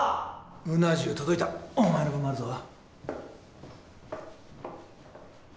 うな重届いたお前の分もあるぞ。